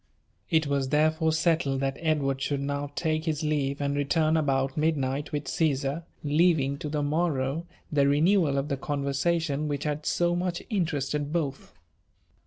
It was therefore settle^ that Edward should now take his leave, and return about midnight with Caesar, leaving to the morrow the renewal of the conversation wbieh had so much interested both.